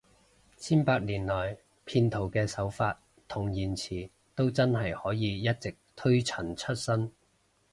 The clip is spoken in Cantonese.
千百年來，騙徒嘅手法同言辭都真係可以一直推陳出新